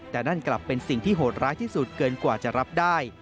แต่นั่นกลับเป็นสิ่งที่โหดร้ายที่สุดเกินกว่าจะรับได้